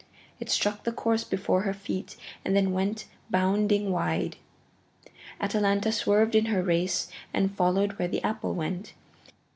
It struck the course before her feet and then went bounding wide. Atalanta swerved in her race and followed where the apple went.